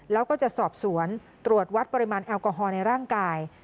แล้วก็จะสอบสวนตรวจวัดปริมาณแอลกอฮอล์ในร่างกาย